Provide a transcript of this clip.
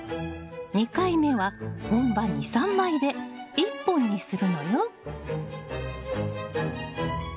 ２回目は本葉２３枚で１本にするのよ。